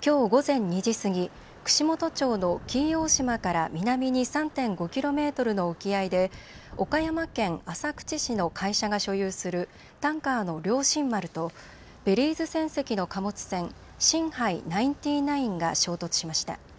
きょう午前２時過ぎ、串本町の紀伊大島から南に３．５キロメートルの沖合で岡山県浅口市の会社が所有するタンカーの菱心丸とベリーズ船籍の貨物船、シンハイ９９が衝突しました。